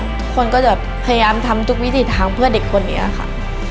ทุกคนก็จะพยายามทำทุกวิถีทางเพื่อเด็กคนนี้ค่ะ